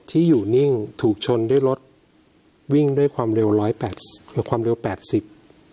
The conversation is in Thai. ที่อยู่นิ่งถูกชนด้วยรถวิ่งด้วยความเร็วร้อยแปดความเร็วแปดสิบ